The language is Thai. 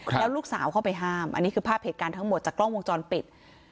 แล้วลูกสาวเข้าไปห้ามอันนี้คือภาพเหตุการณ์ทั้งหมดจากกล้องวงจรปิด